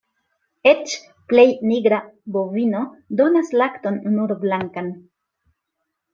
Eĉ plej nigra bovino donas lakton nur blankan.